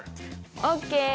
ＯＫ！